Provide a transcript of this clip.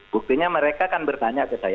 buktinya mereka kan bertanya ke saya